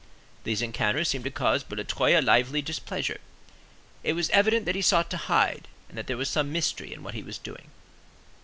These encounters seemed to cause Boulatruelle a lively displeasure. It was evident that he sought to hide, and that there was some mystery in what he was doing.